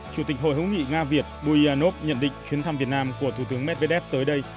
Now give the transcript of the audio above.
chủ tịch hội hữu nghị nga việt buyanov nhận định chuyến thăm việt nam của thủ tướng medvedev tới đây